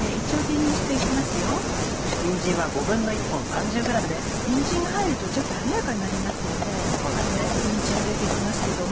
にんじんが入るとちょっと華やかになりますのでにんじんを入れて行きますけども。